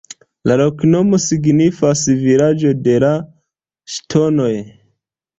La loknomo signifas: "Vilaĝo de la Ŝtonoj".